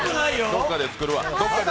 どっかで作るわ。